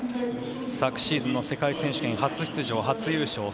昨シーズンの世界選手権初出場は初優勝。